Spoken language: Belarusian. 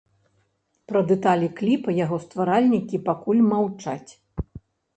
Пра дэталі кліпа яго стваральнікі пакуль маўчаць.